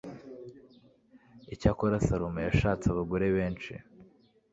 icyakora salomo yashatse abagore benshi